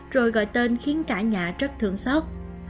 rồi gọi tên khiến cả nhà rất thương xót